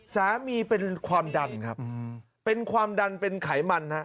สามีเป็นความดันครับเป็นความดันเป็นไขมันฮะ